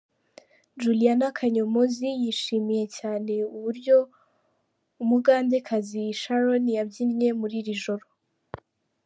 Juliana Kanyomozi yishimiye cyane uburyo umugandekazi Sharon yabyinnye muri iri joro.